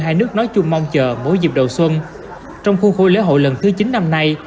hai nước nói chung mong chờ mỗi dịp đầu xuân trong khuôn khôi lễ hội lần thứ chín năm nay